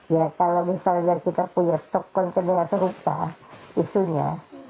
ya kalau misalnya kita punya stok konten dengan serupa isunya